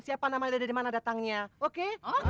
siapa namanya dari mana datangnya oke